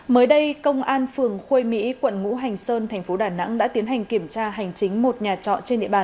mới đây công an phường khuê mỹ quận ngũ hành sơn thành phố đà nẵng đã tiến hành kiểm tra hành chính một nhà trọ trên địa bàn